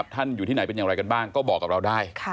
อยู่ที่ไหนเป็นอย่างไรกันบ้างก็บอกกับเราได้